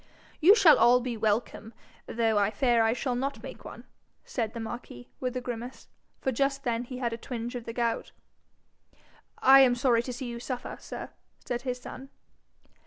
'You shall all be welcome, though I fear I shall not make one,' said the marquis, with a grimace, for just then he had a twinge of the gout. 'I am sorry to see you suffer, sir,' said his son.